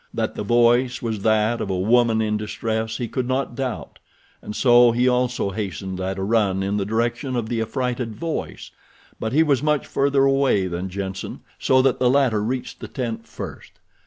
That the voice was that of a woman in distress he could not doubt, and so he also hastened at a run in the direction of the affrighted voice; but he was much further away than Jenssen so that the latter reached the tent first.